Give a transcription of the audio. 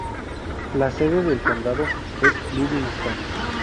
La sede del condado es Livingston.